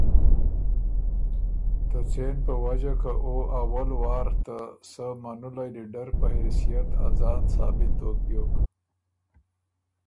ته څېن په وجه که او اول وار ته سۀ منُلئ لیډر په حېثئت ا ځان ثابت دوک بیوک۔